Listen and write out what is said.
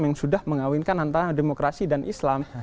yang sudah mengawinkan antara demokrasi dan islam